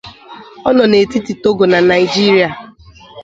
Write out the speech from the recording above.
O no n'etiti Togo na Naigeria.